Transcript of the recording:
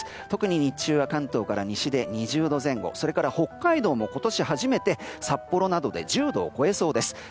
特に日中は関東から西で２０度前後それから北海道も今年初めて札幌などで１０度を超えそうです。